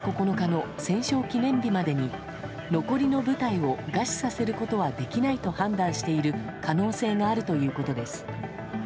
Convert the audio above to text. このまま兵糧攻めを続けてもロシア軍は５月９日の戦勝記念日までに残りの部隊を餓死させることはできないと判断している可能性があるということです。